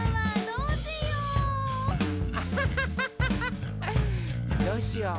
どうしよう？